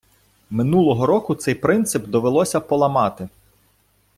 Минулого року цей принцип довелося поламати.